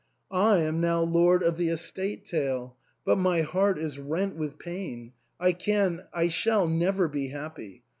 I am now lord of the estate tail, but my heart is rent with pain — I can — I shall never be happy.